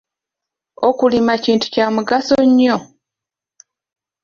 Okulima kintu kya mugaso nnyo.